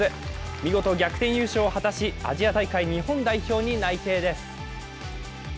見事、逆転優勝を果たしアジア大会日本代表に内定です。